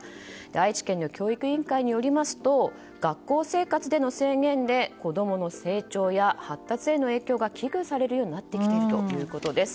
愛知県の教育委員会によりますと学校生活での制限で子供の成長や発達への影響が危惧されるようになってきているということです。